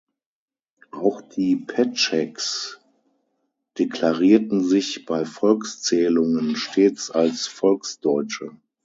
Auch die Petscheks deklarierten sich bei Volkszählungen stets als Volksdeutsche.